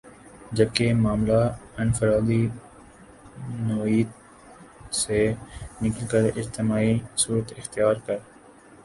جبکہ یہ معاملہ انفرادی نوعیت سے نکل کر اجتماعی صورت اختیار کر